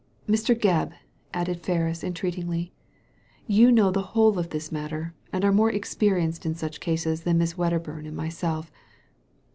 Mr. Gebb !" added Ferris, entreatingly, "you know the whole of this matter, and are more experienced in such cases than Miss Wedderburn and myself.